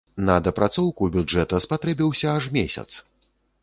На дапрацоўку бюджэта спатрэбіўся аж месяц.